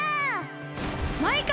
マイカ！